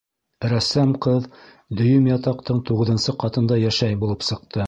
Рәссам ҡыҙ дөйөм ятаҡтың туғыҙынсы ҡатында йәшәй булып сыҡты.